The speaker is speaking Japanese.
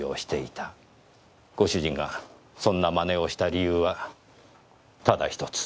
ご主人がそんな真似をした理由はただ１つ。